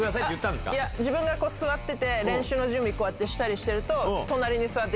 自分が座ってて練習の準備したりしてると。